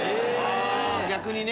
逆にね！